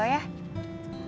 insya allah ya